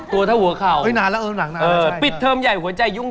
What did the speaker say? ตัวเท่าหัวเข่าปิดเทอมใหญ่หัวใจยุ่ง